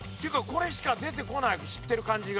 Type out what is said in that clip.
これしか出てこないの知ってる漢字が。